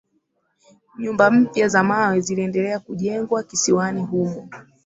nyumba mpya za mawe ziliendelea kujengwa kisiwani humo